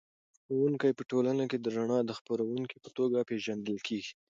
ښوونکی په ټولنه کې د رڼا د خپروونکي په توګه پېژندل کېږي.